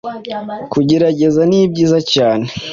kugerageza nibyiza cyane